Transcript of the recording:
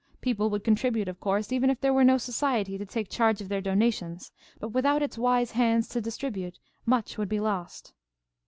People would contribute, of course, even if there were no society to take charge of their donations, but without its wise hands to distribute, much would be lost.